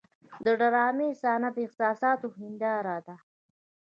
د ډرامې صحنه د احساساتو هنداره ده.